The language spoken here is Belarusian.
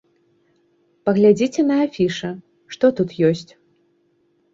Паглядзіце на афішы, што тут ёсць?